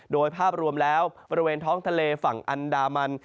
โดยภาพรวมแล้วบริเวณท้องทะเลฝั่งอันดามัน